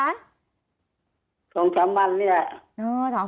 ๒๓วันเนี่ย